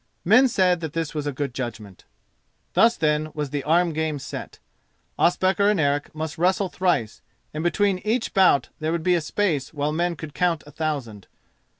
Men said that this was a good judgment. Thus then was the arm game set. Ospakar and Eric must wrestle thrice, and between each bout there would be a space while men could count a thousand.